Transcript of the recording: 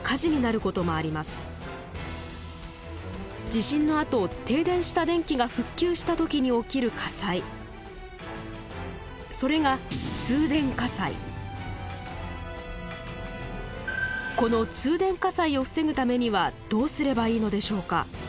この通電火災を防ぐためにはどうすればいいのでしょうか？